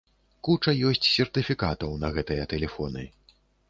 Куча ёсць сертыфікатаў на гэтыя тэлефоны.